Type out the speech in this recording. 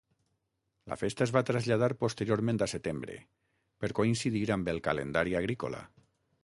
La festa es va traslladar posteriorment a setembre, per coincidir amb el calendari agrícola.